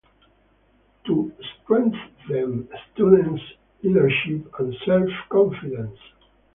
To strengthen students' leadership and self-confidence.